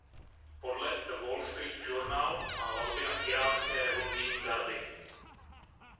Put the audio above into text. Podle The Wall Street Journal má vazby na Íránské revoluční gardy.